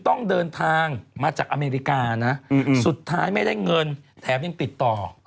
ต้องเดินทางมาจากอเมริกานะสุดท้ายไม่ได้เงินแถมยังติดต่อ